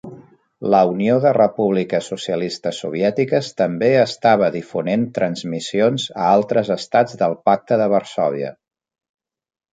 La Unió de Repúbliques Socialistes Soviètiques també estava difonent transmissions a altres estats del Pacte de Varsòvia.